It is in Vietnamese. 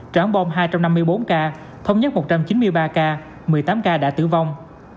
tráng bom hai trăm năm mươi bốn ca thông nhất một trăm chín mươi ba ca một mươi tám ca đã tử vong